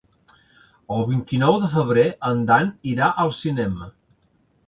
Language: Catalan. El vint-i-nou de febrer en Dan irà al cinema.